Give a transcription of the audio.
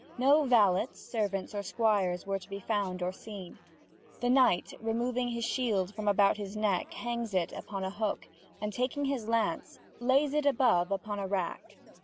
No valets, servants, or squires were to be found or seen. The knight, removing his shield from about his neck, hangs it upon a hook, and, taking his lance, lays it above upon a rack.